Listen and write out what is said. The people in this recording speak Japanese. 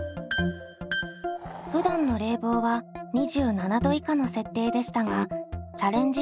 ふだんの冷房は２７℃以下の設定でしたがチャレンジ